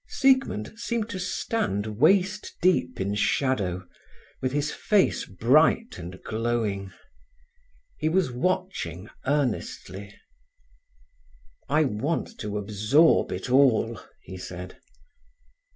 Siegmund seemed to stand waist deep in shadow, with his face bright and glowing. He was watching earnestly. "I want to absorb it all," he said.